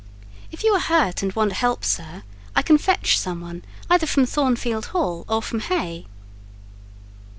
"If you are hurt, and want help, sir, I can fetch some one either from Thornfield Hall or from Hay."